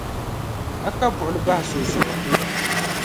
A ka buɣuli bahi so zuɣu.